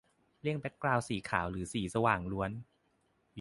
-เลี่ยงแบคกราวนด์สีขาวหรือสีสว่างล้วน